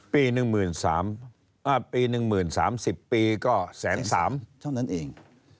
ปี๑๓๐๐๐สิบปีก็๑๓๐๐๐๐เท่านั้นเอง